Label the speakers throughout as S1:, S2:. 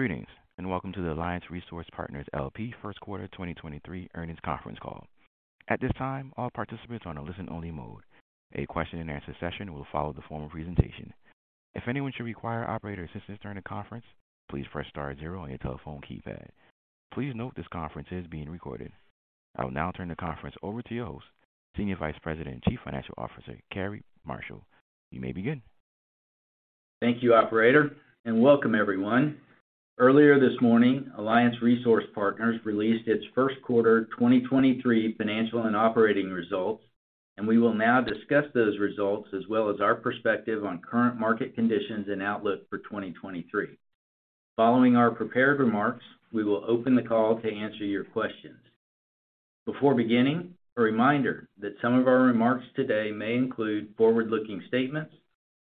S1: Greetings. Welcome to the Alliance Resource Partners, L.P. First Quarter 2023 Earnings Conference Call. At this time, all participants are on a listen only mode. A question-and-answer session will follow the formal presentation. If anyone should require operator assistance during the conference, please press star zero on your telephone keypad. Please note this conference is being recorded. I will now turn the conference over to your host, Senior Vice President and Chief Financial Officer, Cary Marshall. You may begin.
S2: Thank you, operator, and welcome everyone. Earlier this morning, Alliance Resource Partners released its first quarter 2023 financial and operating results, and we will now discuss those results as well as our perspective on current market conditions and outlook for 2023. Following our prepared remarks, we will open the call to answer your questions. Before beginning, a reminder that some of our remarks today may include forward-looking statements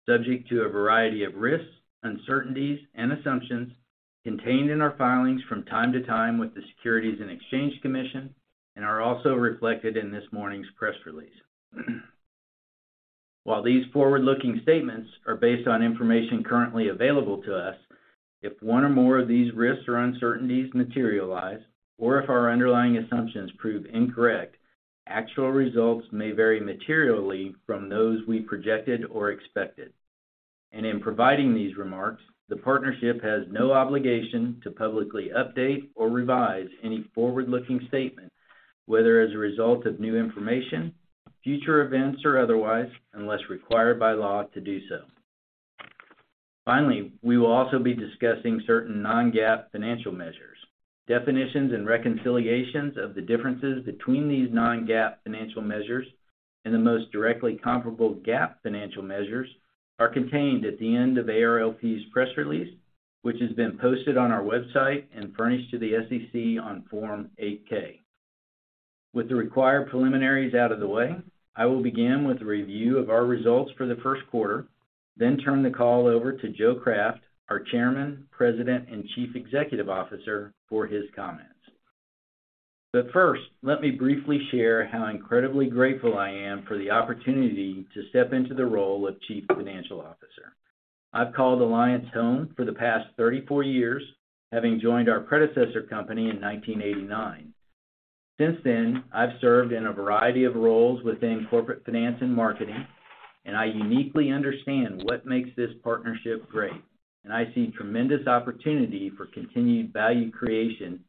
S2: subject to a variety of risks, uncertainties, and assumptions contained in our filings from time to time with the Securities and Exchange Commission and are also reflected in this morning's press release. While these forward-looking statements are based on information currently available to us, if one or more of these risks or uncertainties materialize, or if our underlying assumptions prove incorrect, actual results may vary materially from those we projected or expected. In providing these remarks, the partnership has no obligation to publicly update or revise any forward-looking statement, whether as a result of new information, future events, or otherwise, unless required by law to do so. Finally, we will also be discussing certain non-GAAP financial measures. Definitions and reconciliations of the differences between these non-GAAP financial measures and the most directly comparable GAAP financial measures are contained at the end of ARLP's press release, which has been posted on our website and furnished to the SEC on Form 8-K. With the required preliminaries out of the way, I will begin with a review of our results for the first quarter, then turn the call over to Joe Craft, our Chairman, President, and Chief Executive Officer, for his comments. First, let me briefly share how incredibly grateful I am for the opportunity to step into the role of Chief Financial Officer. I've called Alliance home for the past 34 years, having joined our predecessor company in 1989. Since then, I've served in a variety of roles within corporate finance and marketing, and I uniquely understand what makes this partnership great. I see tremendous opportunity for continued value creation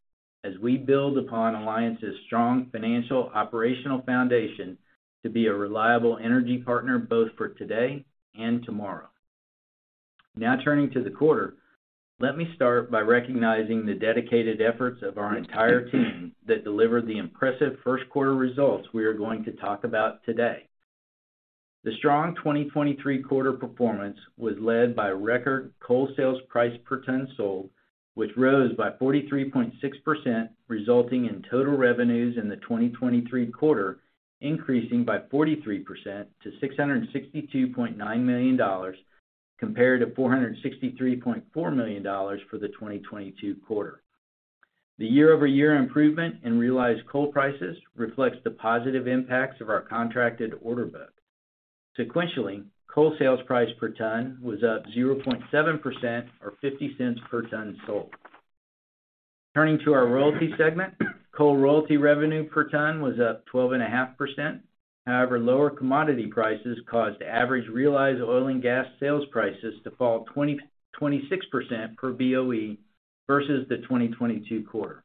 S2: as we build upon Alliance's strong financial operational foundation to be a reliable energy partner both for today and tomorrow. Now turning to the quarter, let me start by recognizing the dedicated efforts of our entire team that delivered the impressive first quarter results we are going to talk about today. The strong 2023 quarter performance was led by record coal sales price per ton sold, which rose by 43.6%, resulting in total revenues in the 2023 quarter increasing by 43% to $662.9 million compared to $463.4 million for the 2022 quarter. The year-over-year improvement in realized coal prices reflects the positive impacts of our contracted order book. Sequentially, coal sales price per ton was up 0.7% or $0.50 per ton sold. Turning to our royalty segment, coal royalty revenue per ton was up 12.5%. Lower commodity prices caused average realized oil and gas sales prices to fall 26% per BOE versus the 2022 quarter.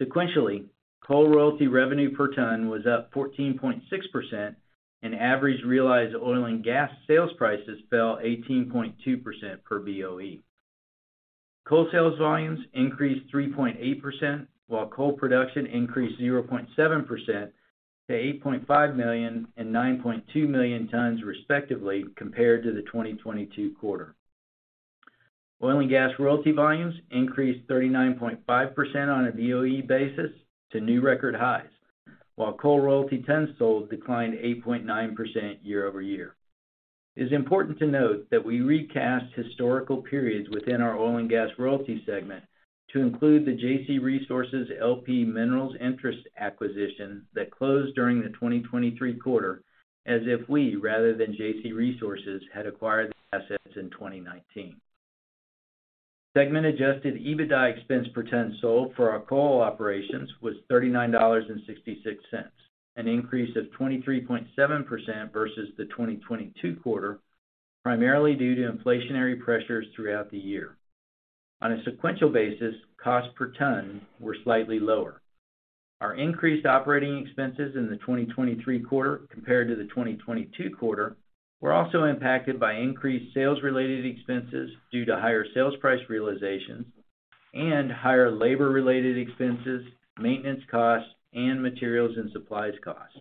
S2: Sequentially, coal royalty revenue per ton was up 14.6% and average realized oil and gas sales prices fell 18.2% per BOE. Coal sales volumes increased 3.8%, while coal production increased 0.7% to 8.5 million and 9.2 million tons, respectively, compared to the 2022 quarter. Oil and gas royalty volumes increased 39.5% on a BOE basis to new record highs, while coal royalty tons sold declined 8.9% year-over-year. It is important to note that we recast historical periods within our oil and gas royalty segment to include the JC Resources LP minerals interest acquisition that closed during the 2023 quarter as if we, rather than JC Resources, had acquired the assets in 2019. Segment Adjusted EBITDA expense per ton sold for our coal operations was $39.66, an increase of 23.7% versus the 2022 quarter, primarily due to inflationary pressures throughout the year. On a sequential basis, costs per ton were slightly lower. Our increased operating expenses in the 2023 quarter compared to the 2022 quarter were also impacted by increased sales-related expenses due to higher sales price realizations and higher labor-related expenses, maintenance costs, and materials and supplies costs.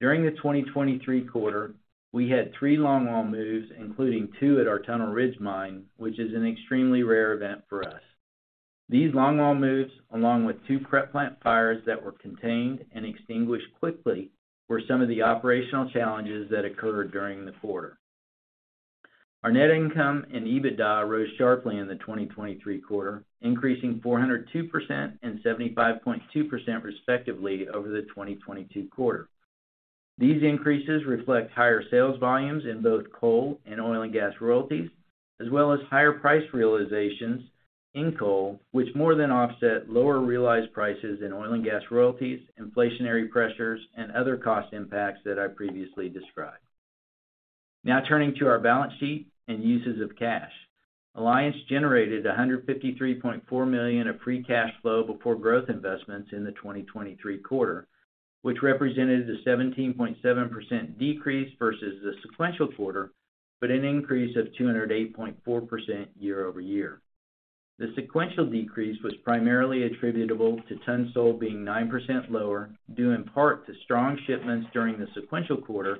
S2: During the 2023 quarter, we had three longwall moves, including 2 at our Tunnel Ridge mine, which is an extremely rare event for us. These longwall moves, along with two prep plant fires that were contained and extinguished quickly, were some of the operational challenges that occurred during the quarter. Our net income and EBITDA rose sharply in the 2023 quarter, increasing 402% and 75.2% respectively over the 2022 quarter. These increases reflect higher sales volumes in both coal and oil and gas royalties, as well as higher price realizations in coal, which more than offset lower realized prices in oil and gas royalties, inflationary pressures and other cost impacts that I previously described. Turning to our balance sheet and uses of cash. Alliance generated $153.4 million of free cash flow before growth investments in the 2023 quarter, which represented a 17.7% decrease versus the sequential quarter, an increase of 208.4% year-over-year. The sequential decrease was primarily attributable to tons sold being 9% lower, due in part to strong shipments during the sequential quarter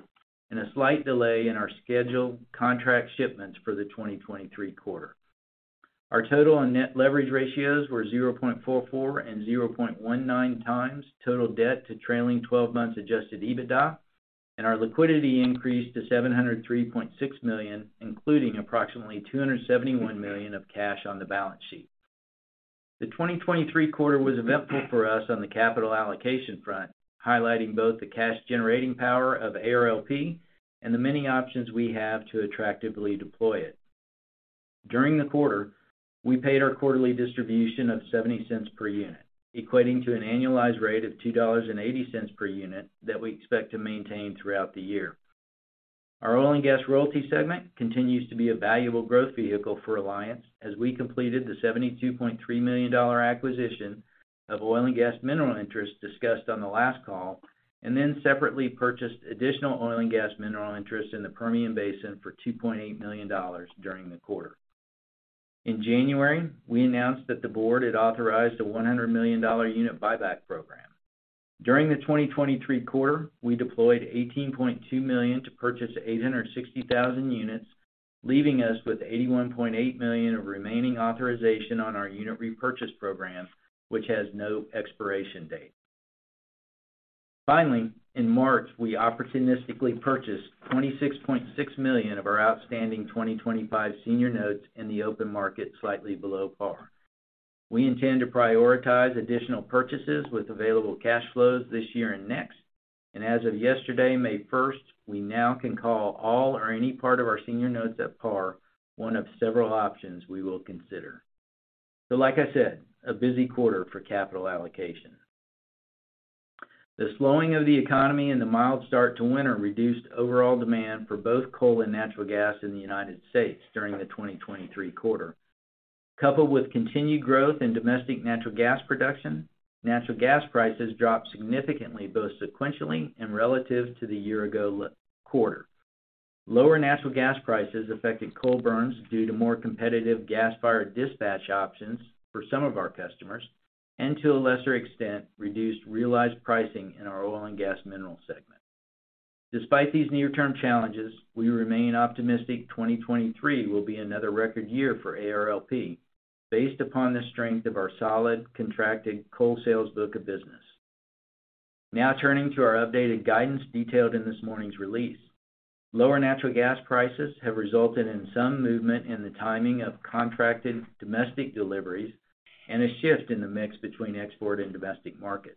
S2: and a slight delay in our scheduled contract shipments for the 2023 quarter. Our total and net leverage ratios were 0.44x and 0.19x total debt to trailing 12 months Adjusted EBITDA, and our liquidity increased to $703.6 million, including approximately $271 million of cash on the balance sheet. The 2023 quarter was eventful for us on the capital allocation front, highlighting both the cash generating power of ARLP and the many options we have to attractively deploy it. During the quarter, we paid our quarterly distribution of $0.70 per unit, equating to an annualized rate of $2.80 per unit that we expect to maintain throughout the year. Our oil and gas royalty segment continues to be a valuable growth vehicle for Alliance as we completed the $72.3 million acquisition of oil and gas mineral interests discussed on the last call, and then separately purchased additional oil and gas mineral interests in the Permian Basin for $2.8 million during the quarter. In January, we announced that the board had authorized a $100 million unit buyback program. During the 2023 quarter, we deployed $18.2 million to purchase 860,000 units, leaving us with $81.8 million of remaining authorization on our unit repurchase program, which has no expiration date. Finally, in March, we opportunistically purchased $26.6 million of our outstanding 2025 senior notes in the open market slightly below par. We intend to prioritize additional purchases with available cash flows this year and next. As of yesterday, May 1, we now can call all or any part of our senior notes at par one of several options we will consider. Like I said, a busy quarter for capital allocation. The slowing of the economy and the mild start to winter reduced overall demand for both coal and natural gas in the United States during the 2023 quarter. Coupled with continued growth in domestic natural gas production, natural gas prices dropped significantly, both sequentially and relative to the year ago quarter. Lower natural gas prices affected coal burns due to more competitive gas-fired dispatch options for some of our customers, and to a lesser extent, reduced realized pricing in our oil and gas mineral segment. Despite these near-term challenges, we remain optimistic 2023 will be another record year for ARLP based upon the strength of our solid contracted coal sales book of business. Turning to our updated guidance detailed in this morning's release. Lower natural gas prices have resulted in some movement in the timing of contracted domestic deliveries and a shift in the mix between export and domestic markets.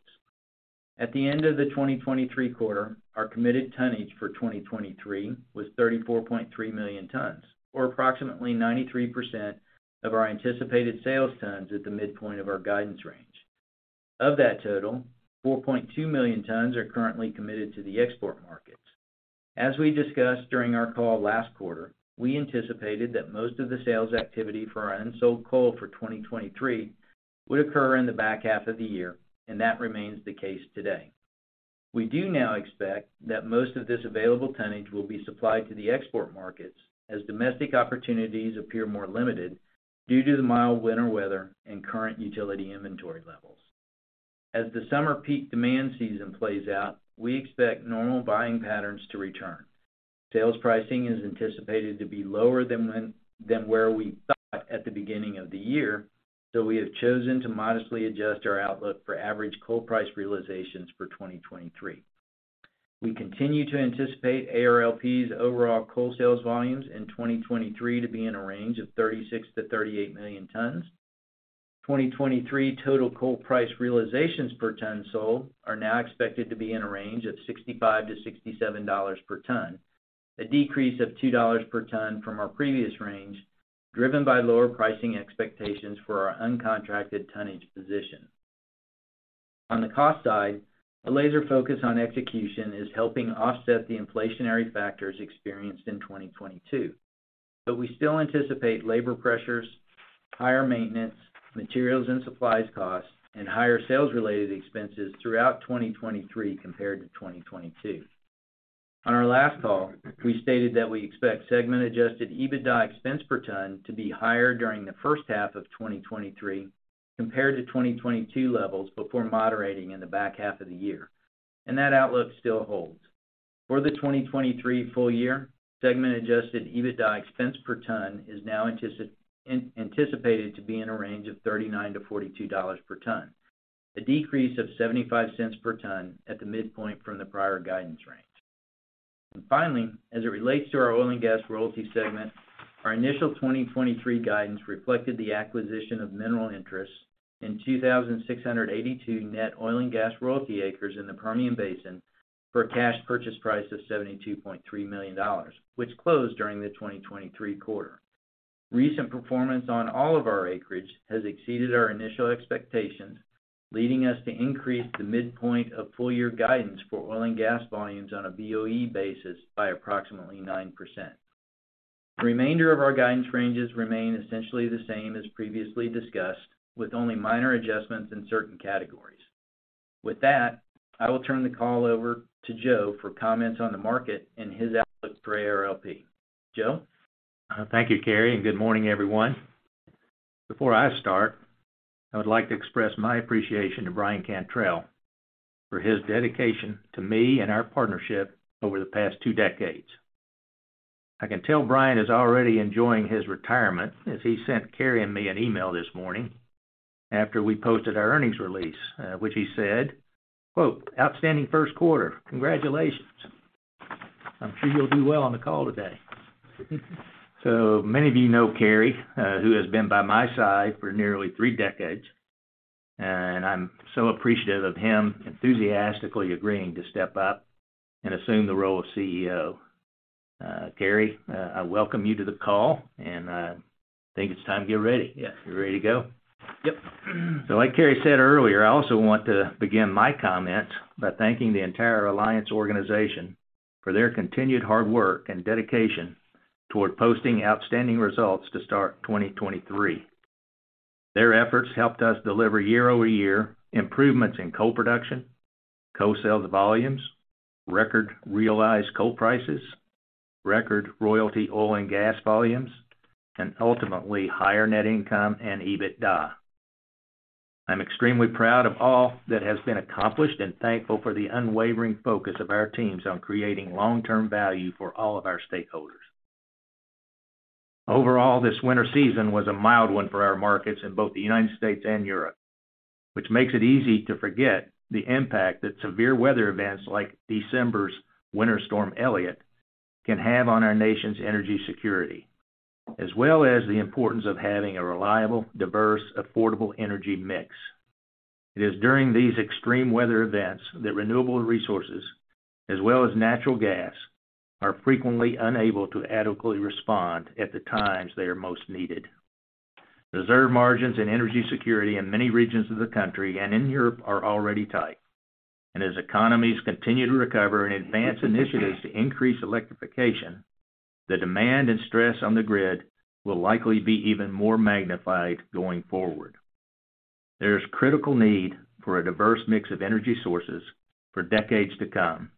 S2: At the end of the 2023 quarter, our committed tonnage for 2023 was 34.3 million tons, or approximately 93% of our anticipated sales tons at the midpoint of our guidance range. Of that total, 4.2 million tons are currently committed to the export markets. As we discussed during our call last quarter, we anticipated that most of the sales activity for our unsold coal for 2023 would occur in the back half of the year, and that remains the case today. We do now expect that most of this available tonnage will be supplied to the export markets as domestic opportunities appear more limited due to the mild winter weather and current utility inventory levels. As the summer peak demand season plays out, we expect normal buying patterns to return. Sales pricing is anticipated to be lower than where we thought at the beginning of the year, so we have chosen to modestly adjust our outlook for average coal price realizations for 2023. We continue to anticipate ARLP's overall coal sales volumes in 2023 to be in a range of 36 million tons-38 million tons. 2023 total coal price realizations per ton sold are now expected to be in a range of $65-$67 per ton, a decrease of $2 per ton from our previous range, driven by lower pricing expectations for our uncontracted tonnage position. On the cost side, a laser focus on execution is helping offset the inflationary factors experienced in 2022. We still anticipate labor pressures, higher maintenance, materials and supplies costs, and higher sales-related expenses throughout 2023 compared to 2022. On our last call, we stated that we expect segment Adjusted EBITDA expense per ton to be higher during the first half of 2023 compared to 2022 levels before moderating in the back half of the year. That outlook still holds. For the 2023 full year, segment Adjusted EBITDA expense per ton is now anticipated to be in a range of $39-$42 per ton, a decrease of $0.75 per ton at the midpoint from the prior guidance range. Finally, as it relates to our oil and gas royalty segment, our initial 2023 guidance reflected the acquisition of mineral interests in 2,682 net oil and gas royalty acres in the Permian Basin for a cash purchase price of $72.3 million, which closed during the 2023 quarter. Recent performance on all of our acreage has exceeded our initial expectations, leading us to increase the midpoint of full year guidance for oil and gas volumes on a BOE basis by approximately 9%. The remainder of our guidance ranges remain essentially the same as previously discussed, with only minor adjustments in certain categories. With that, I will turn the call over to Joe for comments on the market and his outlook for ARLP. Joe?
S3: Thank you, Cary, and good morning, everyone. Before I start, I would like to express my appreciation to Brian Cantrell for his dedication to me and our partnership over the past two decades. I can tell Brian is already enjoying his retirement as he sent Cary and me an email this morning after we posted our earnings release, which he said, quote, "Outstanding first quarter. Congratulations. I'm sure you'll do well on the call today." Many of you know Cary, who has been by my side for nearly three decades, and I'm so appreciative of him enthusiastically agreeing to step up and assume the role of CEO. Cary, I welcome you to the call, and I think it's time to get ready.
S2: Yes.
S3: You ready to go?
S2: Yep.
S3: Like Cary said earlier, I also want to begin my comments by thanking the entire Alliance organization for their continued hard work and dedication toward posting outstanding results to start 2023. Their efforts helped us deliver year-over-year improvements in coal production, coal sales volumes, record realized coal prices, record royalty oil and gas volumes, and ultimately higher net income and EBITDA. I'm extremely proud of all that has been accomplished and thankful for the unwavering focus of our teams on creating long-term value for all of our stakeholders. Overall, this winter season was a mild one for our markets in both the United States and Europe, which makes it easy to forget the impact that severe weather events like December's Winter Storm Elliott can have on our nation's energy security, as well as the importance of having a reliable, diverse, affordable energy mix. It is during these extreme weather events that renewable resources, as well as natural gas, are frequently unable to adequately respond at the times they are most needed. Reserve margins and energy security in many regions of the country and in Europe are already tight. As economies continue to recover and advance initiatives to increase electrification, the demand and stress on the grid will likely be even more magnified going forward. There is critical need for a diverse mix of energy sources for decades to come.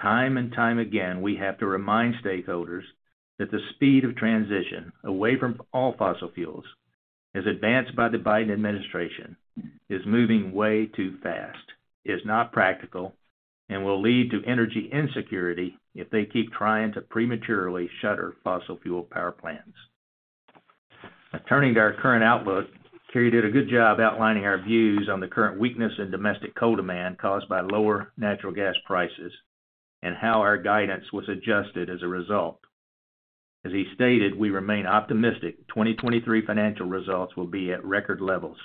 S3: Time and time again, we have to remind stakeholders that the speed of transition away from all fossil fuels, as advanced by the Biden administration, is moving way too fast, is not practical, and will lead to energy insecurity if they keep trying to prematurely shutter fossil fuel power plants. Turning to our current outlook, Cary did a good job outlining our views on the current weakness in domestic coal demand caused by lower natural gas prices and how our guidance was adjusted as a result. As he stated, we remain optimistic 2023 financial results will be at record levels.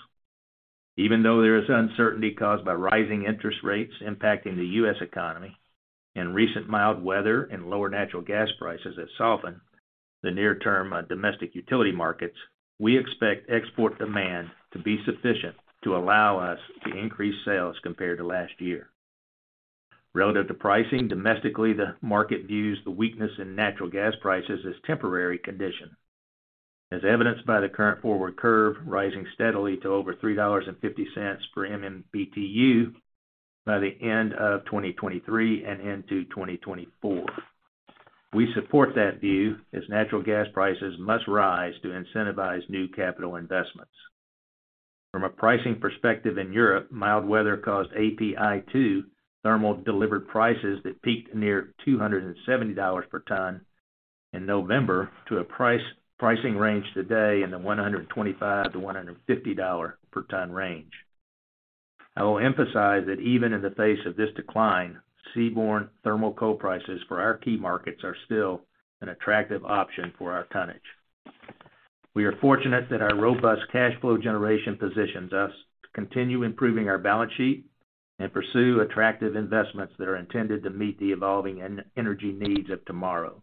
S3: Even though there is uncertainty caused by rising interest rates impacting the U.S. economy and recent mild weather and lower natural gas prices that soften the near-term domestic utility markets, we expect export demand to be sufficient to allow us to increase sales compared to last year. Relative to pricing, domestically, the market views the weakness in natural gas prices as temporary condition, as evidenced by the current forward curve rising steadily to over $3.50 per MMBtu by the end of 2023 and into 2024. We support that view as natural gas prices must rise to incentivize new capital investments. From a pricing perspective in Europe, mild weather caused API2 thermal delivered prices that peaked near $270 per ton in November to a pricing range today in the $125-$150 per ton range. I will emphasize that even in the face of this decline, seaborne thermal coal prices for our key markets are still an attractive option for our tonnage. We are fortunate that our robust cash flow generation positions us to continue improving our balance sheet and pursue attractive investments that are intended to meet the evolving energy needs of tomorrow.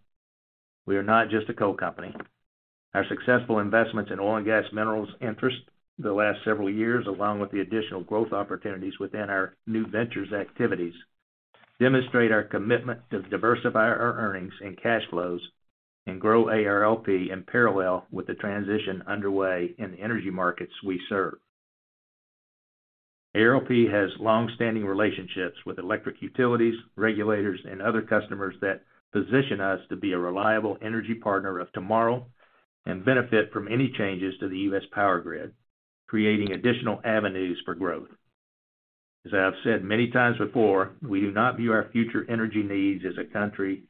S3: We are not just a coal company. Our successful investments in oil and gas minerals interest the last several years, along with the additional growth opportunities within our New Ventures activities, demonstrate our commitment to diversify our earnings and cash flows and grow ARLP in parallel with the transition underway in the energy markets we serve. ARLP has long-standing relationships with electric utilities, regulators, and other customers that position us to be a reliable energy partner of tomorrow and benefit from any changes to the U.S. power grid, creating additional avenues for growth. As I have said many times before, we do not view our future energy needs as a country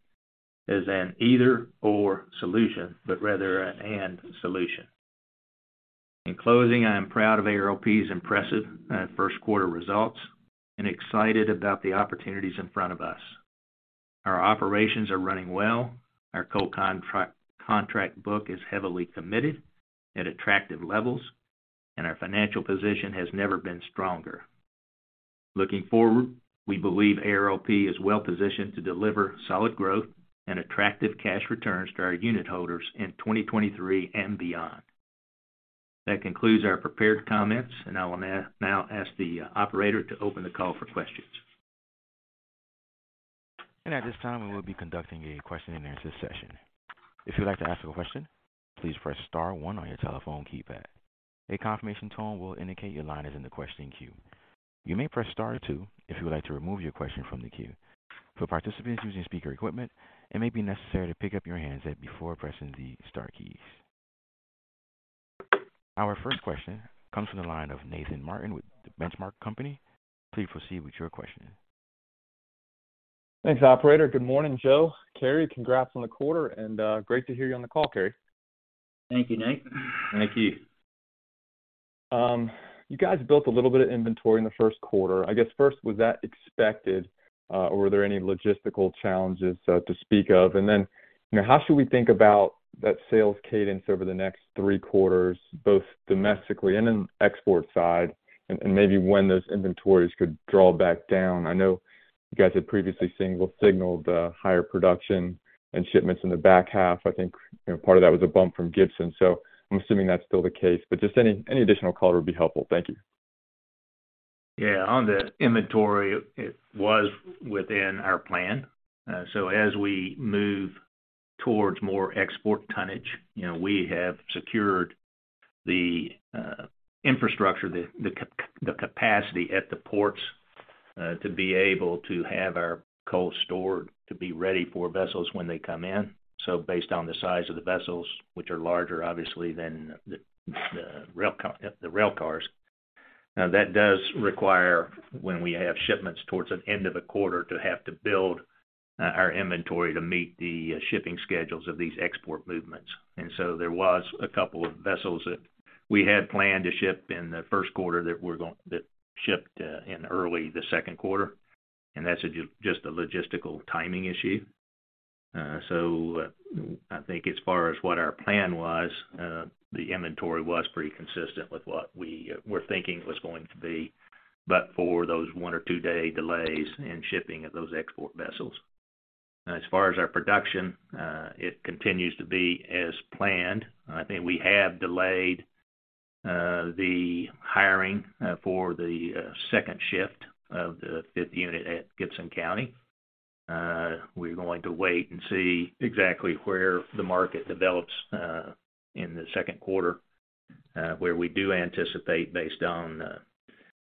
S3: as an either/or solution, but rather an and solution. In closing, I am proud of ARLP's impressive first quarter results and excited about the opportunities in front of us. Our operations are running well. Our coal contract book is heavily committed at attractive levels, and our financial position has never been stronger. Looking forward, we believe ARLP is well-positioned to deliver solid growth and attractive cash returns to our unit holders in 2023 and beyond. That concludes our prepared comments, and I will now ask the operator to open the call for questions.
S1: At this time, we will be conducting a question and answer session. If you'd like to ask a question, please press star one on your telephone keypad. A confirmation tone will indicate your line is in the question queue. You may press star two if you would like to remove your question from the queue. For participants using speaker equipment, it may be necessary to pick up your handset before pressing the star keys. Our first question comes from the line of Nathan Martin with The Benchmark Company. Please proceed with your question.
S4: Thanks, operator. Good morning, Joe, Cary. Congrats on the quarter and great to hear you on the call, Cary.
S3: Thank you, Nate. Thank you.
S4: You guys built a little bit of inventory in the first quarter. I guess first, was that expected, or were there any logistical challenges to speak of? You know, how should we think about that sales cadence over the next three quarters, both domestically and in export side and maybe when those inventories could draw back down? I know you guys had previously signaled higher production and shipments in the back half. I think, you know, part of that was a bump from Gibson, so I'm assuming that's still the case. Just any additional color would be helpful. Thank you.
S3: Yeah. On the inventory, it was within our plan. As we move towards more export tonnage, you know, we have secured the infrastructure, the capacity at the ports, to be able to have our coal stored to be ready for vessels when they come in. Based on the size of the vessels, which are larger obviously than the rail cars, that does require when we have shipments towards an end of the quarter to have to build our inventory to meet the shipping schedules of these export movements. There was a couple of vessels that we had planned to ship in the first quarter that shipped in early the second quarter, and that's just a logistical timing issue. pretty consistent with what we were thinking it was going to be, but for those one or two day delays in shipping of those export vessels. As far as our production, it continues to be as planned. I think we have delayed the hiring for the second shift of the fifth unit at Gibson County. We're going to wait and see exactly where the market develops in the second quarter, where we do anticipate based on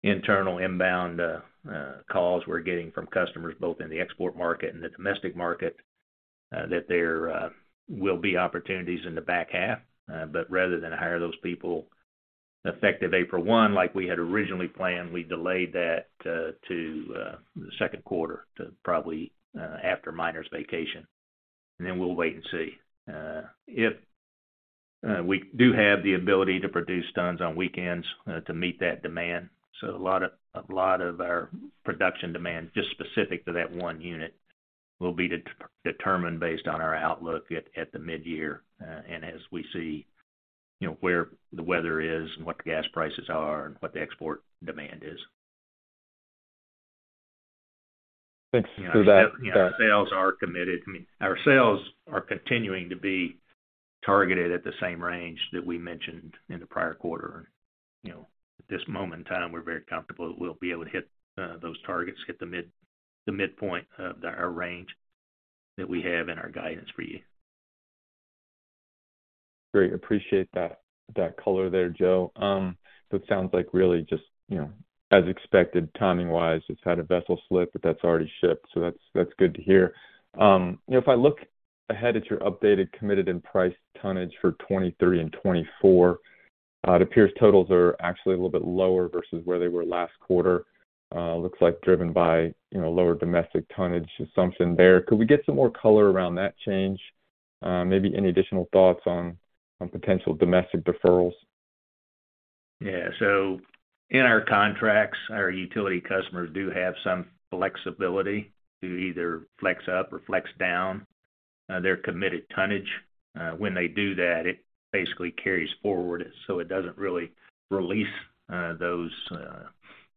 S3: internal inbound calls we're getting from customers both in the export market and the domestic market, that there will be opportunities in the back half Rather than hire those people effective April 1 like we had originally planned, we delayed that to the second quarter to probably after miners vacation. We'll wait and see. We do have the ability to produce tons on weekends to meet that demand. A lot of, a lot of our production demand, just specific to that one unit, will be de-determined based on our outlook at the mid-year, and as we see, you know, where the weather is and what the gas prices are and what the export demand is.
S4: Thanks for that.
S3: You know, sales are committed. I mean, our sales are continuing to be targeted at the same range that we mentioned in the prior quarter. You know, at this moment in time, we're very comfortable that we'll be able to hit those targets, hit the midpoint of our range that we have in our guidance for you.
S4: Great. Appreciate that color there, Joe. It sounds like really just, you know, as expected timing-wise, it's had a vessel slip, but that's already shipped, so that's good to hear. You know, if I look ahead at your updated committed and priced tonnage for 2023 and 2024, it appears totals are actually a little bit lower versus where they were last quarter, looks like driven by, you know, lower domestic tonnage assumption there. Could we get some more color around that change? Maybe any additional thoughts on potential domestic deferrals?
S3: Yeah. In our contracts, our utility customers do have some flexibility to either flex up or flex down, their committed tonnage. When they do that, it basically carries forward, so it doesn't really release, those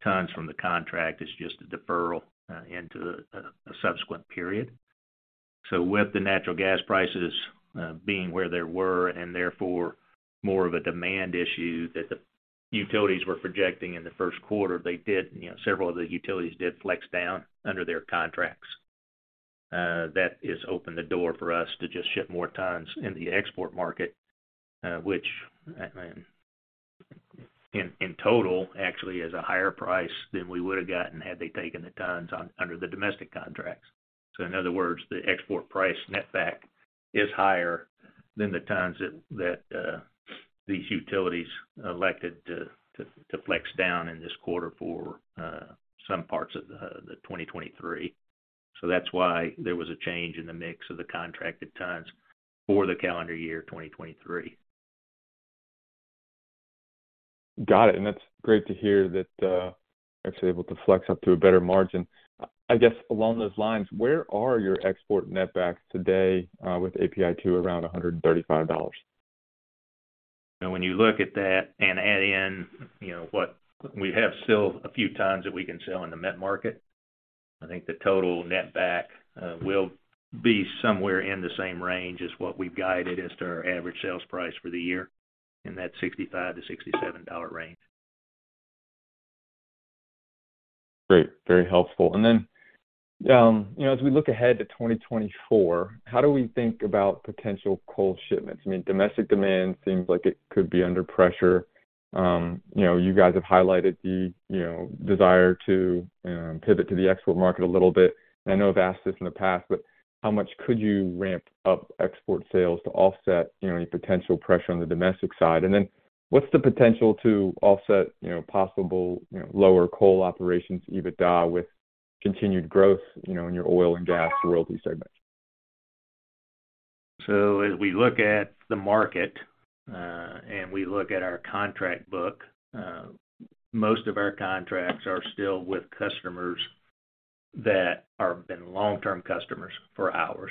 S3: tons from the contract. It's just a deferral, into a subsequent period. With the natural gas prices, being where they were and therefore more of a demand issue that the utilities were projecting in the first quarter, they did, you know, several of the utilities did flex down under their contracts. That has opened the door for us to just ship more tons in the export market, which, in total actually is a higher price than we would have gotten had they taken the tons on under the domestic contracts. In other words, the export price netback is higher than the tons that these utilities elected to flex down in this quarter for, some parts of the 2023. That's why there was a change in the mix of the contracted tons for the calendar year 2023.
S4: Got it. That's great to hear that, actually able to flex up to a better margin. I guess along those lines, where are your export netbacks today, with API2 around $135?
S3: When you look at that and add in, you know, what we have still a few times that we can sell in the met market, I think the total netback will be somewhere in the same range as what we've guided as to our average sales price for the year in that $65-$67 range.
S4: Great. Very helpful. Then, you know, as we look ahead to 2024, how do we think about potential coal shipments? I mean, domestic demand seems like it could be under pressure. You know, you guys have highlighted the, you know, desire to pivot to the export market a little bit. I know I've asked this in the past, but how much could you ramp up export sales to offset, you know, any potential pressure on the domestic side? Then what's the potential to offset, you know, possible, you know, lower coal operations EBITDA with continued growth, you know, in your oil and gas royalty segment?
S3: As we look at the market, and we look at our contract book, most of our contracts are still with customers that are been long-term customers for ours.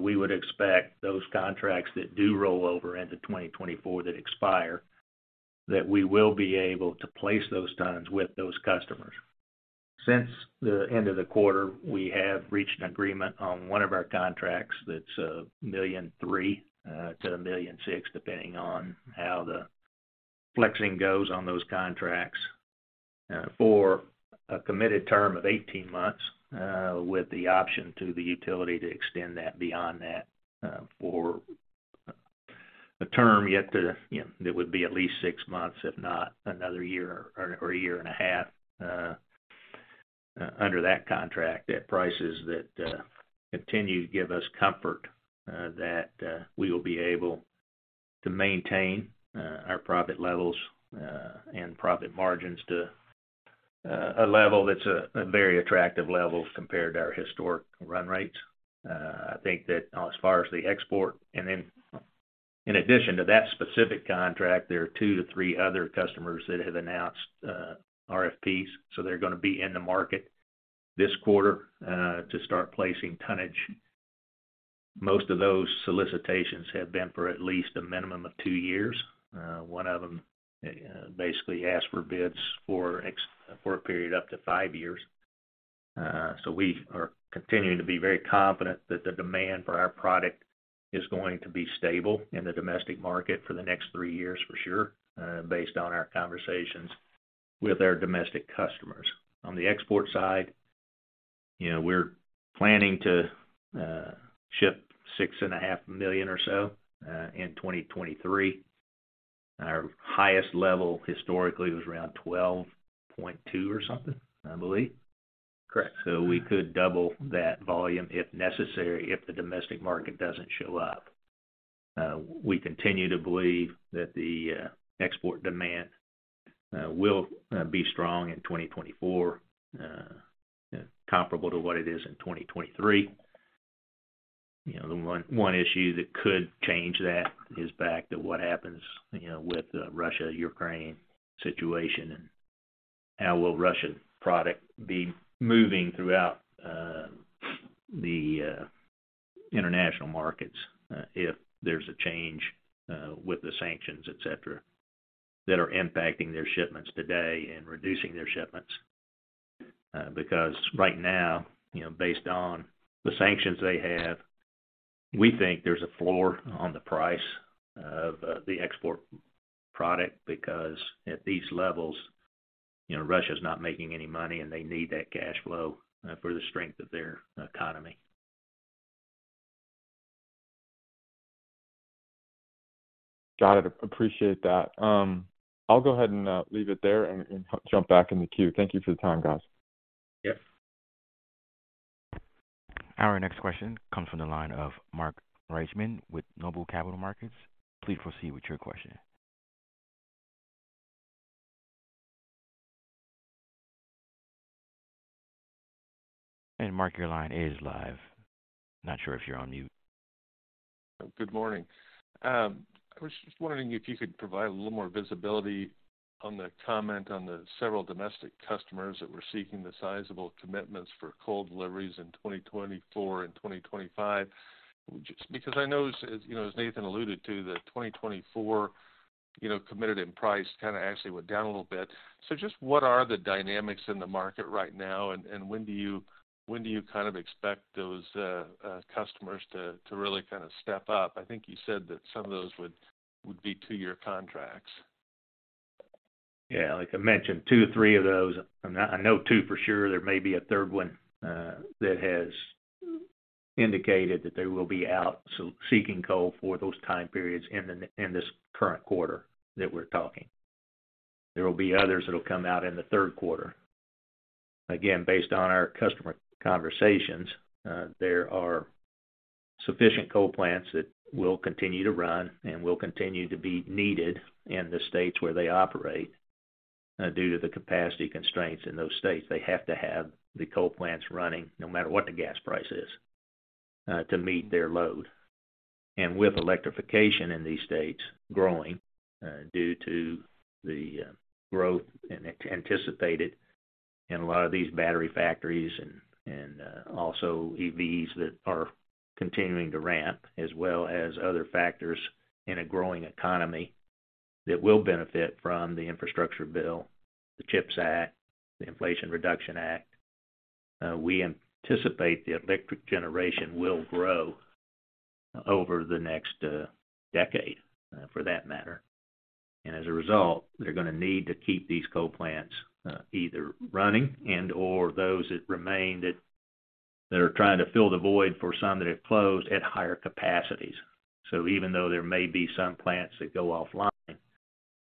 S3: We would expect those contracts that do roll over into 2024 that expire, that we will be able to place those tons with those customers. Since the end of the quarter, we have reached an agreement on one of our contracts that's $1.3 million-$1.6 million, depending on how the flexing goes on those contracts, for a committed term of 18 months, with the option to the utility to extend that beyond that, for a term yet to, you know, that would be at least six months, if not another year or a year and a half, under that contract at prices that continue to give us comfort that we will be able to maintain our profit levels and profit margins to a level that's a very attractive level compared to our historic run rates. I think that as far as the export and then in addition to that specific contract, there are two to three other customers that have announced RFPs, so they're gonna be in the market this quarter to start placing tonnage. Most of those solicitations have been for at least a minimum of two years. One of them basically asked for bids for a period up to five years. We are continuing to be very confident that the demand for our product is going to be stable in the domestic market for the next three years for sure, based on our conversations with our domestic customers. On the export side, you know, we're planning to ship 6.5 million or so in 2023. Our highest level historically was around 12.2 or something, I believe.
S4: Correct.
S3: We could double that volume if necessary if the domestic market doesn't show up. We continue to believe that the export demand will be strong in 2024, comparable to what it is in 2023. You know, the one issue that could change that is back to what happens, you know, with the Russia-Ukraine situation, and how will Russian product be moving throughout the international markets, if there's a change with the sanctions, et cetera, that are impacting their shipments today and reducing their shipments. Because right now, you know, based on the sanctions they have, we think there's a floor on the price of the export product because at these levels, you know, Russia's not making any money, and they need that cash flow for the strength of their economy.
S4: Got it. Appreciate that. I'll go ahead and leave it there and jump back in the queue. Thank you for the time, guys.
S3: Yep.
S1: Our next question comes from the line of Mark Reichman with Noble Capital Markets. Please proceed with your question. Mark, your line is live. Not sure if you're on mute.
S5: Good morning. I was just wondering if you could provide a little more visibility on the comment on the several domestic customers that were seeking the sizable commitments for coal deliveries in 2024 and 2025. Just because I noticed, as, you know, as Nathan alluded to, that 2024, you know, committed end price kind of actually went down a little bit. What are the dynamics in the market right now, and when do you kind of expect those customers to really kind of step up? I think you said that some of those would be two-year contracts.
S3: Yeah. Like I mentioned, two to three of those. I know two for sure. There may be a third one that has indicated that they will be seeking coal for those time periods in this current quarter that we're talking. There will be others that'll come out in the third quarter. Again, based on our customer conversations, there are sufficient coal plants that will continue to run and will continue to be needed in the states where they operate, due to the capacity constraints in those states. They have to have the coal plants running no matter what the gas price is to meet their load. With electrification in these states growing, due to the growth anticipated in a lot of these battery factories and also EVs that are continuing to ramp, as well as other factors in a growing economy that will benefit from the Infrastructure Bill, the CHIPS Act, the Inflation Reduction Act, we anticipate the electric generation will grow over the next decade, for that matter. As a result, they're gonna need to keep these coal plants either running and/or those that remain that are trying to fill the void for some that have closed at higher capacities. Even though there may be some plants that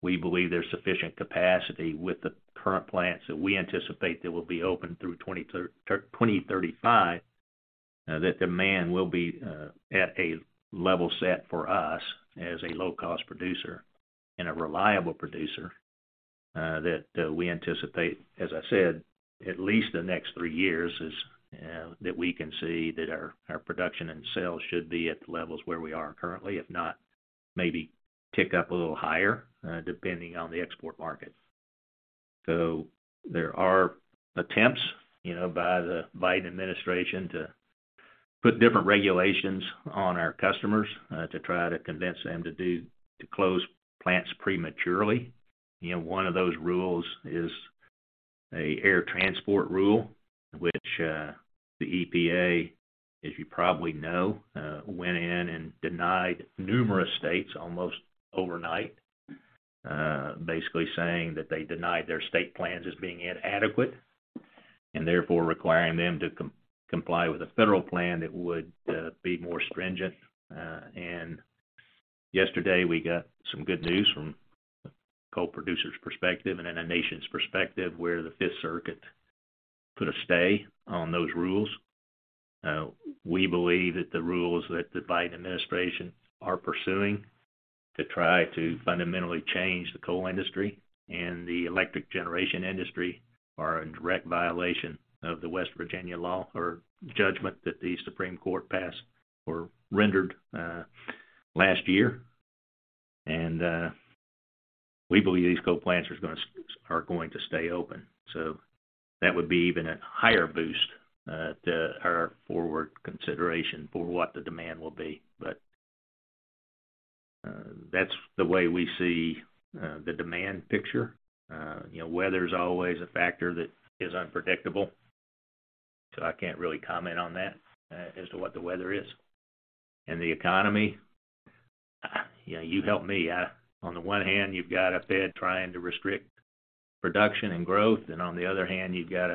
S3: go offline, we believe there's sufficient capacity with the current plants that we anticipate that will be open through 2035, that demand will be at a level set for us as a low-cost producer and a reliable producer, that we anticipate, as I said, at least the next three years is that we can see that our production and sales should be at the levels where we are currently, if not maybe tick up a little higher, depending on the export market. There are attempts, you know, by the Biden administration to put different regulations on our customers to try to convince them to close plants prematurely. You know, one of those rules is a air transport rule, which, the EPA, as you probably know, went in and denied numerous states almost overnight, basically saying that they denied their state plans as being inadequate and therefore requiring them to comply with a federal plan that would be more stringent. Yesterday we got some good news from coal producers' perspective and in a nation's perspective where the Fifth Circuit put a stay on those rules. We believe that the rules that the Biden administration are pursuing to try to fundamentally change the coal industry and the electric generation industry are in direct violation of West Virginia v. EPA that the Supreme Court passed or rendered, last year. We believe these coal plants are going to stay open. That would be even a higher boost to our forward consideration for what the demand will be. That's the way we see the demand picture. You know, weather's always a factor that is unpredictable, so I can't really comment on that as to what the weather is. The economy, you know, you help me. On the one hand, you've got a Fed trying to restrict production and growth, and on the other hand, you've got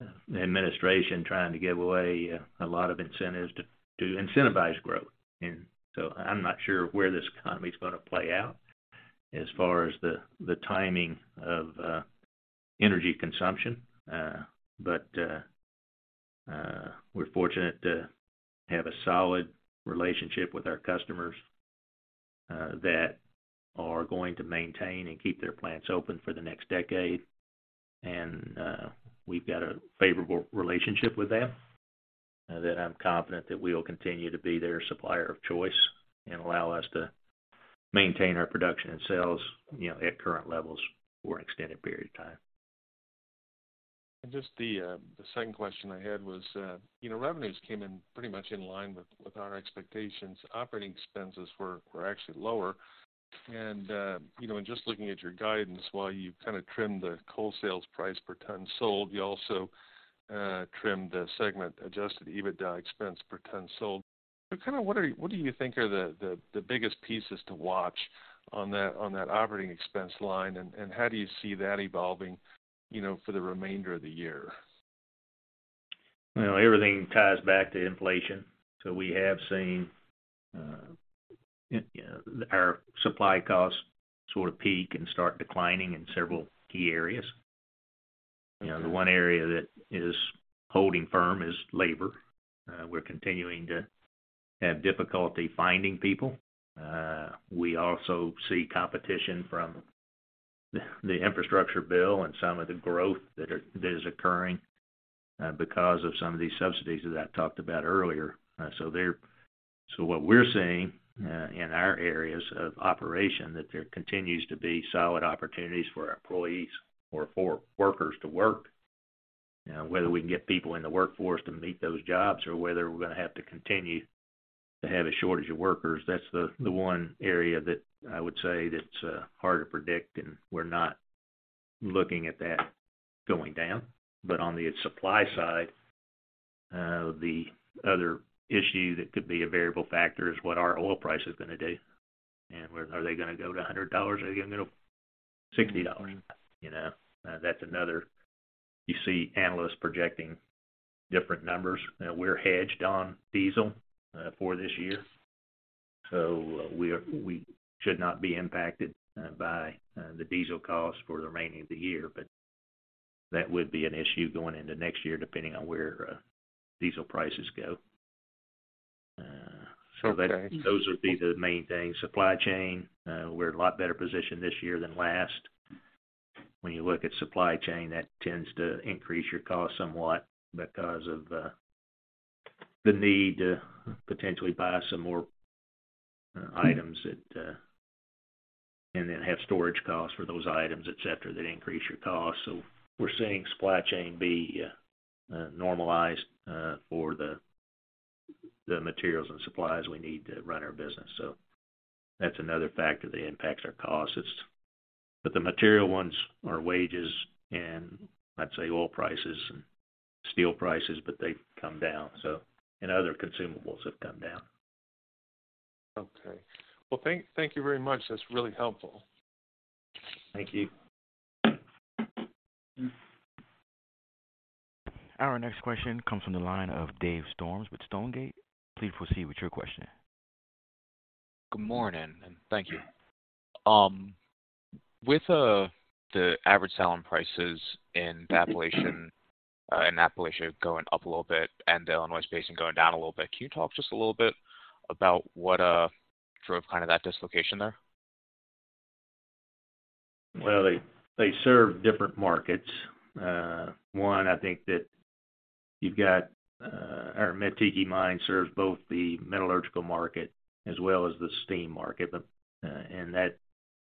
S3: an administration trying to give away a lot of incentives to incentivize growth. I'm not sure where this economy's gonna play out as far as the timing of energy consumption. We're fortunate to have a solid relationship with our customers that are going to maintain and keep their plants open for the next decade. We've got a favorable relationship with them that I'm confident that we will continue to be their supplier of choice and allow us to maintain our production and sales, you know, at current levels for an extended period of time.
S5: Just the second question I had was, you know, revenues came in pretty much in line with our expectations. Operating expenses were actually lower. You know, in just looking at your guidance, while you've kind of trimmed the coal sales price per ton sold, you also trimmed the segment Adjusted EBITDA expense per ton sold. Kind of what do you think are the biggest pieces to watch on that operating expense line, and how do you see that evolving, you know, for the remainder of the year?
S3: You know, everything ties back to inflation. We have seen, you know, our supply costs sort of peak and start declining in several key areas. You know, the one area that is holding firm is labor. We're continuing to have difficulty finding people. We also see competition from the Infrastructure Bill and some of the growth that is occurring because of some of these subsidies that I talked about earlier. What we're seeing in our areas of operation that there continues to be solid opportunities for employees or for workers to work. You know, whether we can get people in the workforce to meet those jobs or whether we're gonna have to continue to have a shortage of workers, that's the one area that I would say that's hard to predict. We're not looking at that going down. On the supply side, the other issue that could be a variable factor is what our oil price is gonna do. Are they gonna go to $100 or are they gonna go $60? You know? That's another... You see analysts projecting different numbers. We're hedged on diesel for this year, so we should not be impacted by the diesel costs for the remaining of the year. That would be an issue going into next year, depending on where diesel prices go.
S6: Okay.
S3: Those would be the main things. Supply chain, we're in a lot better position this year than last. When you look at supply chain, that tends to increase your cost somewhat because of the need to potentially buy some more items that and then have storage costs for those items, et cetera, that increase your costs. We're seeing supply chain be normalized for the materials and supplies we need to run our business. That's another factor that impacts our costs. The material ones are wages and I'd say oil prices and steel prices, but they've come down, so, and other consumables have come down.
S5: Okay. Well, thank you very much. That's really helpful.
S3: Thank you.
S1: Our next question comes from the line of Dave Storms with Stonegate. Please proceed with your question.
S6: Good morning, and thank you. With the average selling prices in Appalachia going up a little bit and the Illinois Basin going down a little bit, can you talk just a little bit about what drove kind of that dislocation there?
S3: Well, they serve different markets. One, I think that you've got our Mettiki mine serves both the metallurgical market as well as the steam market, but that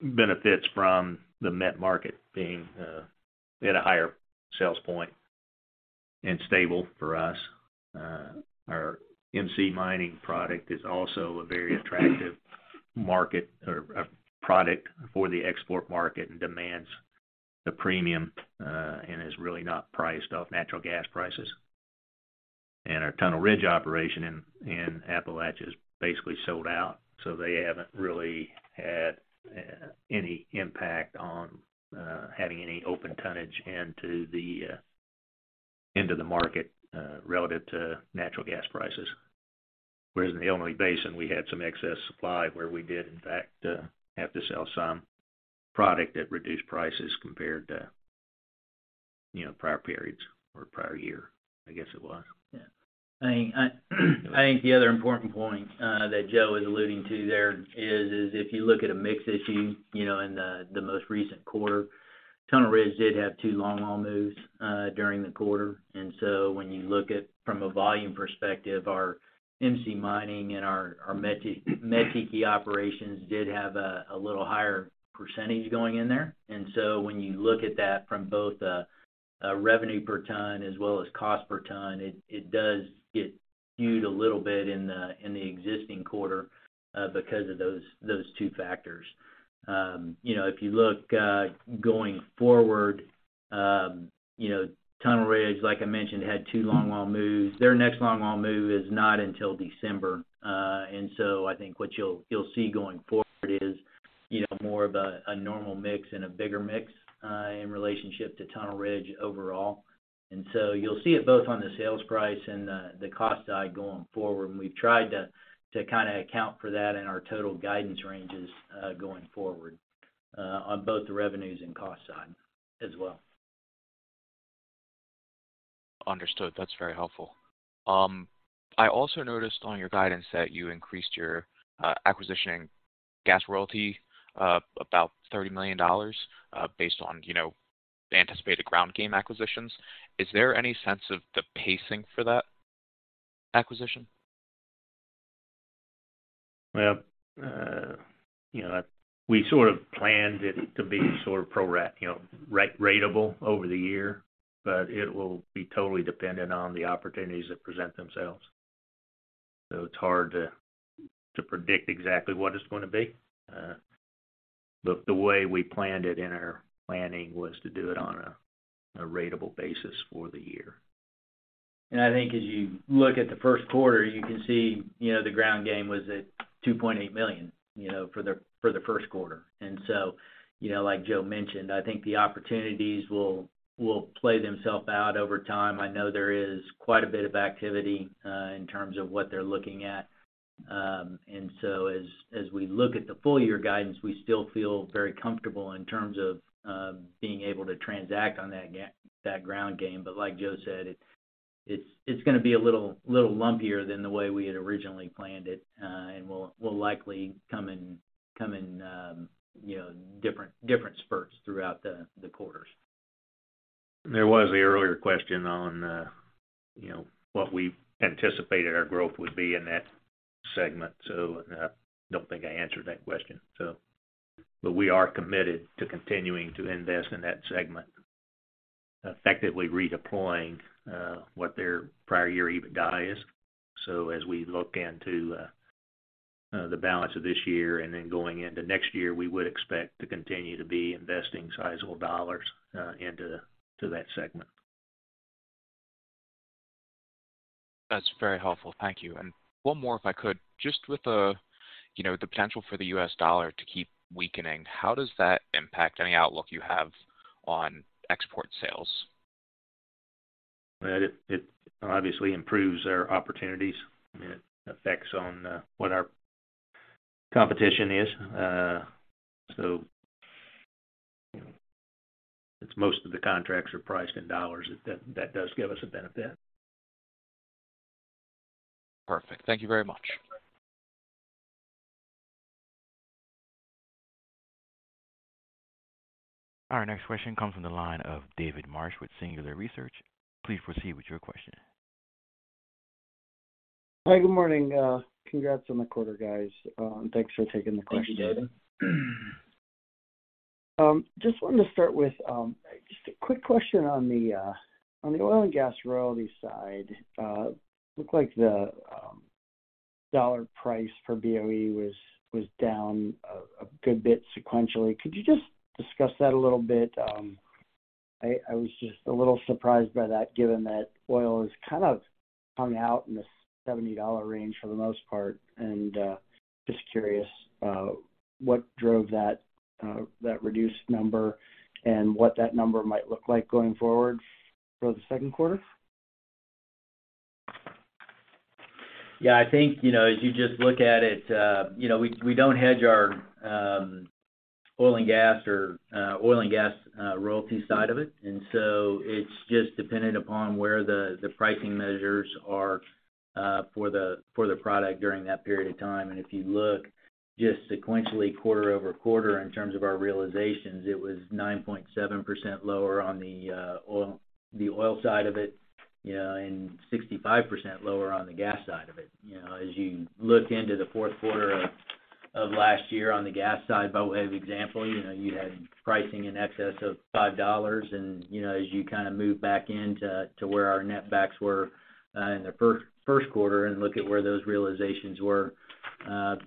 S3: benefits from the met market being at a higher sales point and stable for us. Our MC Mining product is also a very attractive market or a product for the export market and demands the premium and is really not priced off natural gas prices. Our Tunnel Ridge operation in Appalachia is basically sold out, so they haven't really had any impact on having any open tonnage into the market relative to natural gas prices. In the Illinois Basin, we had some excess supply where we did in fact have to sell some product at reduced prices compared to, you know, prior periods or prior year, I guess it was.
S2: Yeah. I think the other important point that Joe is alluding to there is if you look at a mix issue, you know, in the most recent quarter, Tunnel Ridge did have two long haul moves during the quarter. When you look at from a volume perspective, our MC Mining and our Mettiki operations did have a little higher percentage going in there. When you look at that from both a revenue per ton as well as cost per ton, it does get skewed a little bit in the existing quarter because of those two factors. You know, if you look going forward, you know, Tunnel Ridge, like I mentioned, had two long haul moves. Their next long haul move is not until December. I think what you'll see going forward is, you know, more of a normal mix and a bigger mix in relationship to Tunnel Ridge overall. You'll see it both on the sales price and the cost side going forward. We've tried to kind of account for that in our total guidance ranges going forward on both the revenues and cost side as well.
S6: Understood. That's very helpful. I also noticed on your guidance that you increased your acquisitions in gas royalty about $30 million based on, you know, the anticipated ground game acquisitions. Is there any sense of the pacing for that acquisition?
S3: Well, you know, we sort of planned it to be sort of you know, ratable over the year, but it will be totally dependent on the opportunities that present themselves. It's hard to predict exactly what it's going to be. The way we planned it in our planning was to do it on a ratable basis for the year.
S2: I think as you look at the first quarter, you can see, you know, the ground game was at $2.8 million, you know, for the first quarter. You know, like Joe mentioned, I think the opportunities will play themself out over time. I know there is quite a bit of activity in terms of what they're looking at. As we look at the full year guidance, we still feel very comfortable in terms of being able to transact on that ground game. Like Joe said, it's gonna be a little lumpier than the way we had originally planned it, and will likely come in, you know, different spurts throughout the quarters.
S3: There was the earlier question on, you know, what we anticipated our growth would be in that segment, I don't think I answered that question. But we are committed to continuing to invest in that segment, effectively redeploying what their prior year EBITDA is. As we look into the balance of this year and then going into next year, we would expect to continue to be investing sizable dollars into that segment.
S6: That's very helpful. Thank you. One more, if I could. Just with the, you know, the potential for the U.S. dollar to keep weakening, how does that impact any outlook you have on export sales?
S2: It obviously improves our opportunities and it affects on what our competition is. You know, since most of the contracts are priced in dollars, that does give us a benefit.
S1: Perfect. Thank you very much. Our next question comes from the line of David Marsh with Singular Research. Please proceed with your question.
S7: Hi, good morning. Congrats on the quarter, guys. Thanks for taking the question.
S2: Thank you, David.
S7: Just wanted to start with, just a quick question on the oil and gas royalty side. Looked like the dollar price for BOE was down a good bit sequentially. Could you just discuss that a little bit? I was just a little surprised by that given that oil has kind of hung out in the $70 range for the most part, and just curious what drove that reduced number and what that number might look like going forward for the second quarter.
S2: Yeah, I think, you know, as you just look at it, you know, we don't hedge our oil and gas or oil and gas royalty side of it. It's just dependent upon where the pricing measures are for the product during that period of time. If you look just sequentially quarter-over-quarter in terms of our realizations, it was 9.7% lower on the oil side of it, you know, and 65% lower on the gas side of it. You know, as you look into the fourth quarter of last year on the gas side, by way of example, you know, you had pricing in excess of $5. You know, as you kinda move back in to where our netbacks were in the first quarter and look at where those realizations were,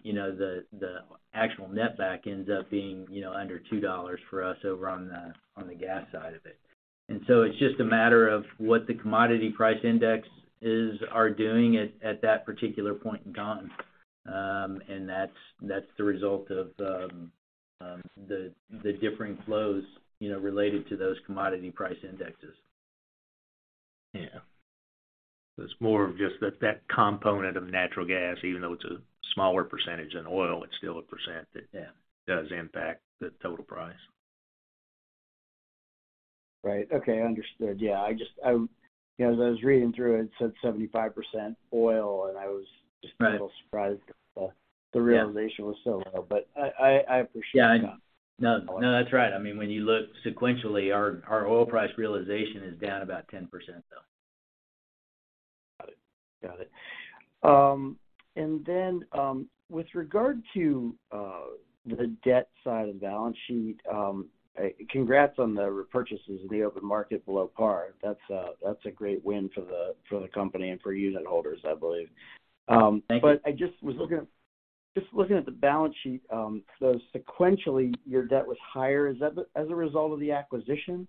S2: you know, the actual netback ends up being, you know, under $2 for us over on the gas side of it. It's just a matter of what the commodity price index are doing at that particular point in time. That's the result of the differing flows, you know, related to those commodity price indexes. It's more of just that component of natural gas, even though it's a smaller percentage than oil, it's still a percent that-
S7: Yeah
S2: does impact the total price.
S7: Right. Okay. Understood. I just you know, as I was reading through it said 75% oil, I was just.
S2: Right
S7: A little surprised the realization was so low. I appreciate that.
S2: Yeah. No, no, that's right. I mean, when you look sequentially, our oil price realization is down about 10% though.
S7: Got it. Got it. With regard to the debt side of the balance sheet, congrats on the repurchases in the open market below par. That's a great win for the company and for unitholders, I believe.
S2: Thank you.
S7: I just was looking at the balance sheet, so sequentially, your debt was higher. Is that as a result of the acquisition?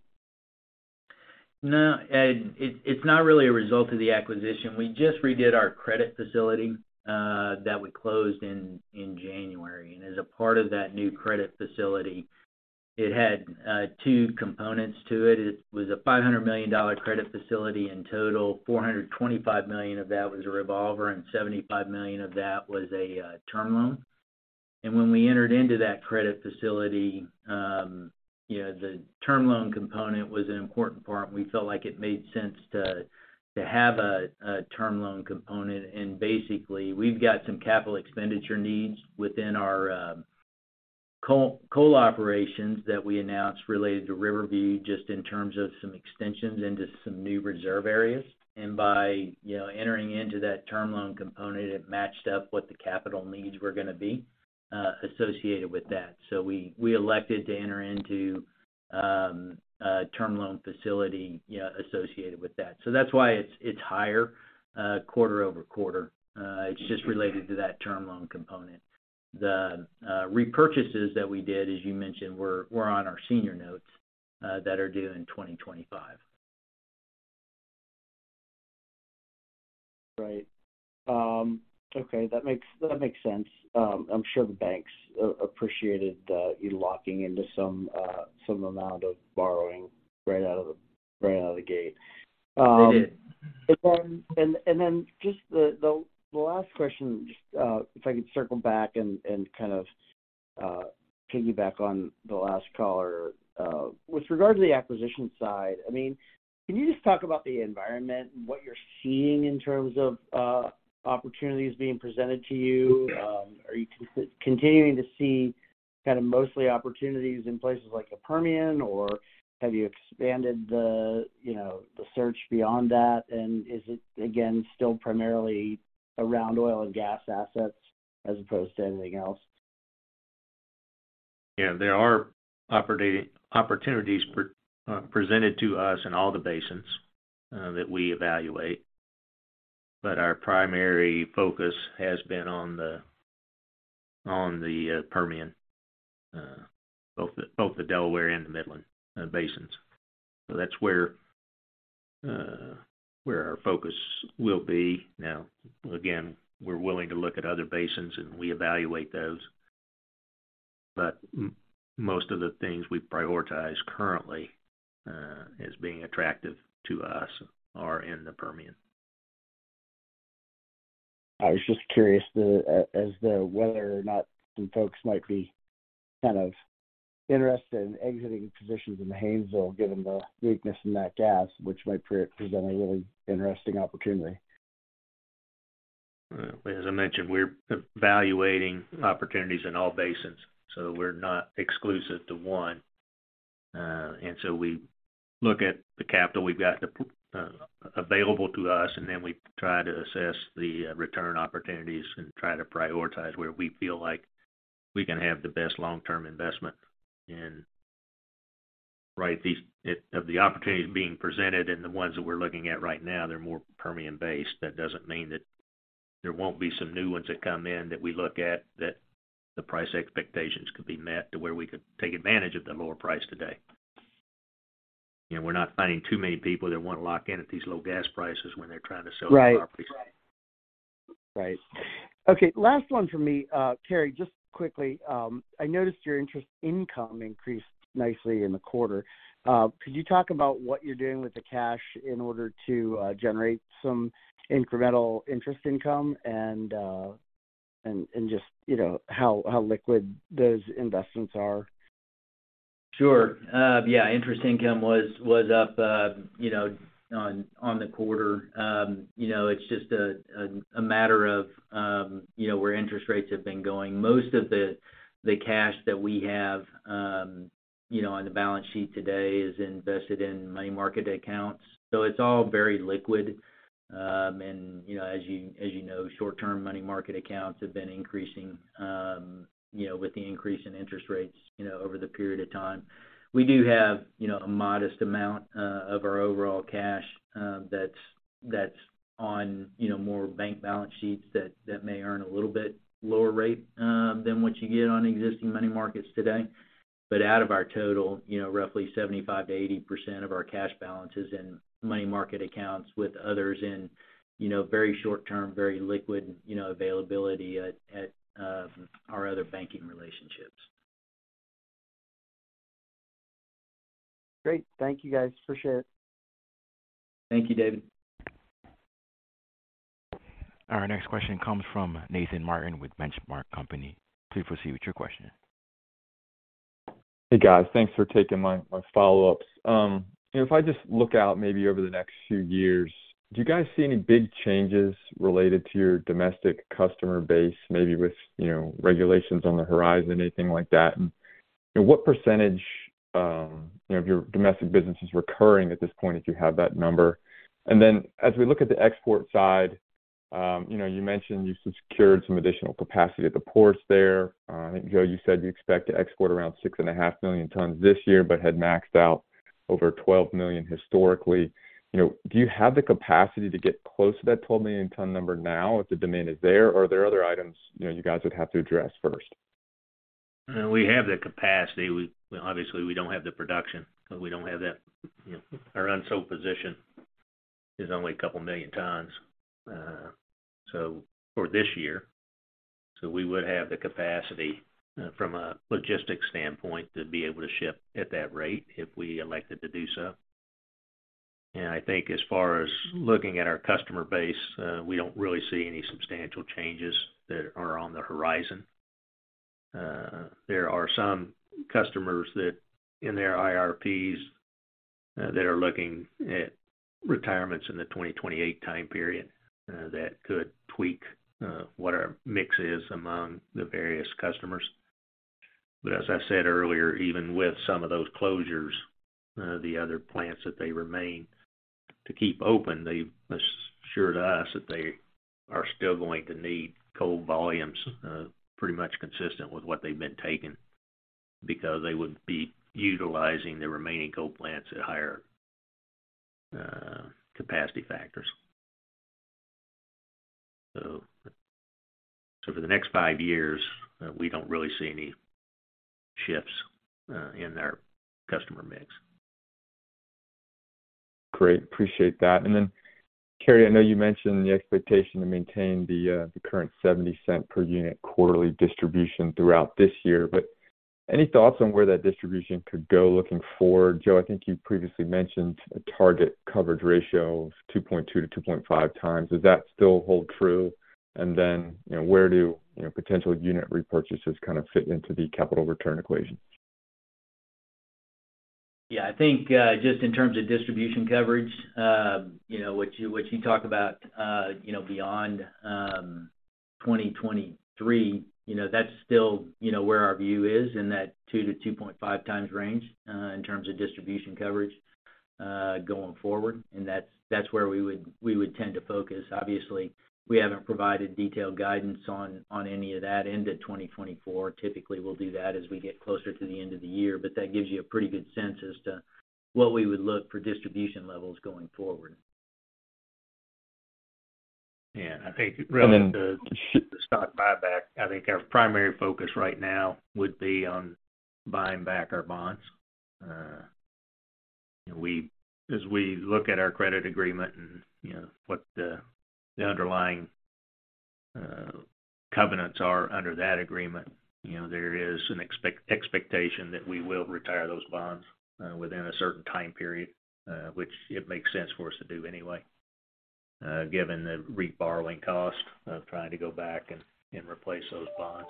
S2: No, Ed, it's not really a result of the acquisition. We just redid our credit facility that we closed in January. As a part of that new credit facility, it had two components to it. It was a $500 million credit facility in total, $425 million of that was a revolver, and $75 million of that was a term loan. When we entered into that credit facility, you know, the term loan component was an important part, and we felt like it made sense to have a term loan component. Basically, we've got some capital expenditure needs within our coal operations that we announced related to Riverview, just in terms of some extensions into some new reserve areas. By, you know, entering into that term loan component, it matched up what the capital needs were gonna be associated with that. We elected to enter into a term loan facility, you know, associated with that. That's why it's higher quarter-over-quarter. It's just related to that term loan component. The repurchases that we did, as you mentioned, were on our senior notes that are due in 2025.
S7: Right. Okay. That makes sense. I'm sure the banks appreciated you locking into some amount of borrowing right out of the gate.
S2: They did.
S7: Just the last question, just if I could circle back and kind of piggyback on the last caller? With regard to the acquisition side, I mean, can you just talk about the environment and what you're seeing in terms of opportunities being presented to you? Are you continuing to see kinda mostly opportunities in places like the Permian, or have you expanded the, you know, the search beyond that? Is it again, still primarily around oil and gas assets as opposed to anything else?
S2: Yeah. There are opportunities presented to us in all the basins that we evaluate, but our primary focus has been on the Permian, both the Delaware and the Midland Basins. That's where our focus will be. Again, we're willing to look at other basins. We evaluate those
S3: Most of the things we prioritize currently, as being attractive to us are in the Permian.
S7: I was just curious the as to whether or not some folks might be kind of interested in exiting positions in the Haynesville, given the weakness in that gas, which might present a really interesting opportunity.
S3: As I mentioned, we're evaluating opportunities in all basins, so we're not exclusive to one. We look at the capital we've got, available to us, and then we try to assess the return opportunities and try to prioritize where we feel like we can have the best long-term investment. Of the opportunities being presented and the ones that we're looking at right now, they're more Permian based. That doesn't mean that there won't be some new ones that come in that we look at that the price expectations could be met to where we could take advantage of the lower price today. You know, we're not finding too many people that wanna lock in at these low gas prices when they're trying to sell their properties.
S7: Right. Right. Okay, last one from me. Cary, just quickly, I noticed your interest income increased nicely in the quarter. Could you talk about what you're doing with the cash in order to generate some incremental interest income and just, you know, how liquid those investments are?
S2: Sure. Yeah, interest income was up, you know, on the quarter. You know, it's just a matter of, you know, where interest rates have been going. Most of the cash that we have, you know, on the balance sheet today is invested in money market accounts. It's all very liquid. You know, as you know, short-term money market accounts have been increasing, you know, with the increase in interest rates, you know, over the period of time. We do have, you know, a modest amount of our overall cash that's on, you know, more bank balance sheets that may earn a little bit lower rate than what you get on existing money markets today. Out of our total, you know, roughly 75%-80% of our cash balance is in money market accounts with others in, you know, very short term, very liquid, you know, availability at our other banking relationships.
S7: Great. Thank you guys. Appreciate it.
S2: Thank you, David.
S1: Our next question comes from Nathan Martin with Benchmark Company. Please proceed with your question.
S4: Hey, guys. Thanks for taking my follow-ups. If I just look out maybe over the next few years, do you guys see any big changes related to your domestic customer base, maybe with, you know, regulations on the horizon, anything like that? What percentage, you know, of your domestic business is recurring at this point, if you have that number? As we look at the export side, you know, you mentioned you secured some additional capacity at the ports there. I think, Joe, you said you expect to export around 6.5 million tons this year, but had maxed out over 12 million historically. You know, do you have the capacity to get close to that 12 million ton number now if the demand is there? Are there other items, you know, you guys would have to address first?
S3: We have the capacity. We obviously don't have the production. We don't have that. Our unsold position is only a couple million tons so for this year. We would have the capacity from a logistics standpoint to be able to ship at that rate if we elected to do so. I think as far as looking at our customer base, we don't really see any substantial changes that are on the horizon. There are some customers that in their IRPs that are looking at retirements in the 2028 time period that could tweak what our mix is among the various customers. As I said earlier, even with some of those closures, the other plants that they remain to keep open, they've assured us that they are still going to need coal volumes, pretty much consistent with what they've been taking, because they would be utilizing the remaining coal plants at higher capacity factors. For the next five years, we don't really see any shifts, in our customer mix.
S4: Great. Appreciate that. Cary, I know you mentioned the expectation to maintain the current $0.70 per unit quarterly distribution throughout this year, but any thoughts on where that distribution could go looking forward? Joe, I think you previously mentioned a target coverage ratio of 2.2x- 2.5x. Does that still hold true? Where do, you know, potential unit repurchases kind of fit into the capital return equation?
S2: Yeah. I think, just in terms of distribution coverage, you know, which you talk about, you know, beyond 2023, you know, that's still, you know, where our view is in that 2x-2.5x range, in terms of distribution coverage, going forward. That's where we would tend to focus. Obviously, we haven't provided detailed guidance on any of that into 2024. Typically, we'll do that as we get closer to the end of the year, but that gives you a pretty good sense as to what we would look for distribution levels going forward.
S3: I think rather than the stock buyback, I think our primary focus right now would be on buying back our bonds. As we look at our credit agreement and, you know, what the underlying covenants are under that agreement, you know, there is an expectation that we will retire those bonds within a certain time period, which it makes sense for us to do anyway, given the reborrowing cost of trying to go back and replace those bonds.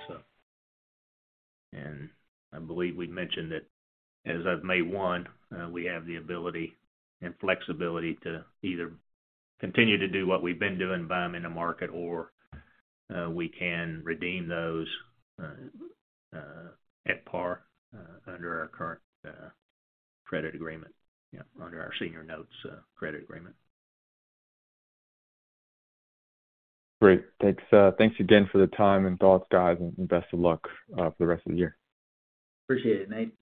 S3: I believe we mentioned that as of May 1, we have the ability and flexibility to either continue to do what we've been doing, buy them in the market, or, we can redeem those at par under our current credit agreement. Under our senior notes credit agreement.
S4: Great. Thanks. Thanks again for the time and thoughts, guys, and best of luck for the rest of the year.
S2: Appreciate it, Nate.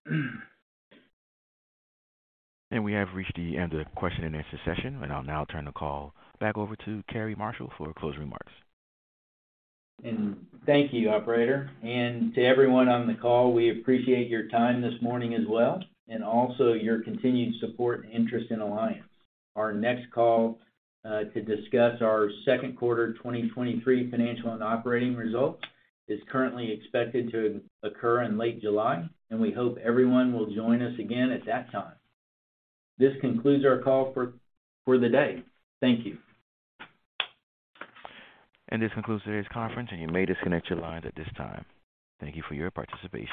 S1: We have reached the end of the question and answer session. I'll now turn the call back over to Cary Marshall for closing remarks.
S2: Thank you, operator. To everyone on the call, we appreciate your time this morning as well, and also your continued support and interest in Alliance. Our next call to discuss our second quarter 2023 financial and operating results is currently expected to occur in late July, and we hope everyone will join us again at that time. This concludes our call for the day. Thank you.
S1: This concludes today's conference, and you may disconnect your lines at this time. Thank you for your participation.